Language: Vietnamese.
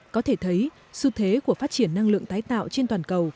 có thể thấy xu thế của phát triển năng lượng tái tạo trên toàn cầu